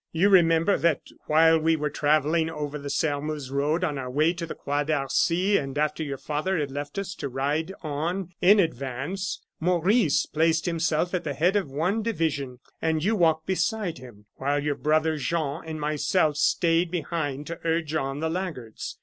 You remember that when we were travelling over the Sairmeuse road on our way to the Croix d'Arcy, and after your father had left us to ride on in advance, Maurice placed himself at the head of one division, and you walked beside him, while your brother Jean and myself stayed behind to urge on the laggards.